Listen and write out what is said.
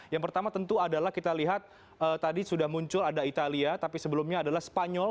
yang pertama tentu adalah kita lihat tadi sudah muncul ada italia tapi sebelumnya adalah spanyol